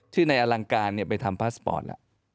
ชื่อในอลังการเนี่ยไปทำพาสปอร์ตละ